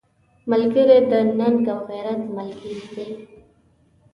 ملګری د ننګ او غیرت ملګری وي